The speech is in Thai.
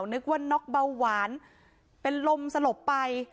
นึกว่าน็อกเบาหวานเป็นลมสลบไป